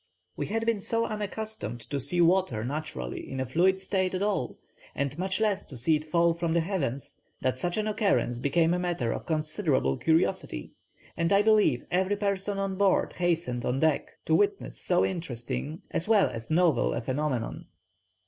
"We had been so unaccustomed to see water naturally in a fluid state at all, and much less to see it fall from the heavens, that such an occurrence became a matter of considerable curiosity, and I believe every person on board hastened on deck to witness so interesting as well as novel a phenomenon." [Illustration: Rain as a novel phenomenon.